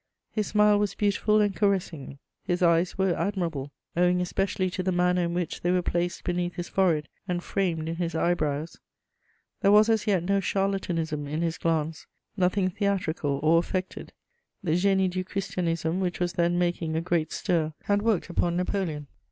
His smile was beautiful and caressing; his eyes were admirable, owing especially to the manner in which they were placed beneath his forehead and framed in his eyebrows. There was as yet no charlatanism in his glance, nothing theatrical or affected. The Génie du Christianisme, which was then making a great stir, had worked upon Napoleon.